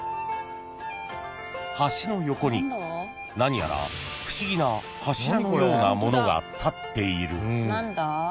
［橋の横に何やら不思議な柱のようなものが立っている］